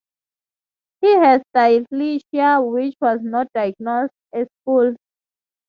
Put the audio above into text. He has dyslexia which was not diagnosed at school.